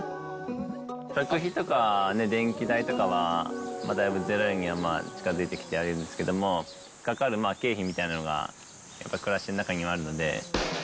食費とか電気代とかはだいぶ０円には近づいてきてはいるんですけれども、かかる経費みたいなのが、やっぱ暮らしの中にはあるので。